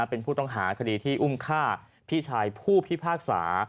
เป็นผู้ต้องหาคดีที่อุ้มฆ่าพี่ชายผู้พิพากษา